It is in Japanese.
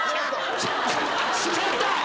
ちょっと！